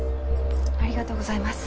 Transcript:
ありがとうございます。